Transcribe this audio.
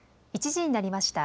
１時になりました。